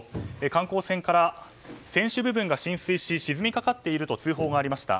観光船から船首部分が浸水し沈みかかっていると通報がありました。